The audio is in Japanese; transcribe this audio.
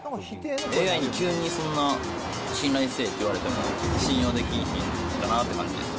ＡＩに急に、そんな信頼せえって言われても、信用できひんかなって感じです。